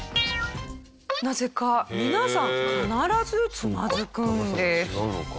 なぜか皆さん必ずつまずくんです。